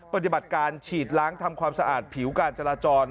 ปฏิบัติการฉีดล้างทำความสะอาดผิวการจราจร